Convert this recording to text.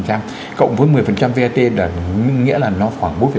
cộng với một mươi vat là nghĩa là nó khoảng bốn bốn